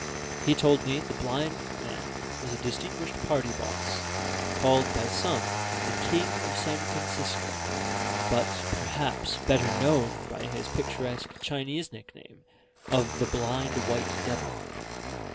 He told me the blind man was a distinguished party boss, called by some the King of San Francisco, but perhaps better known by his picturesque Chinese nickname of the Blind White Devil.